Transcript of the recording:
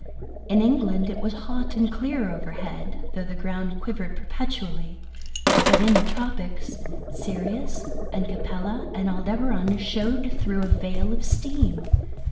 In England it was hot and clear overhead, though the ground quivered perpetually, but in the tropics, Sirius and Capella and Aldebaran showed through a veil of steam.